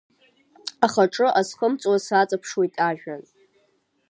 Ахаҿы азхымҵуа саҵаԥшуеит ажәҩан…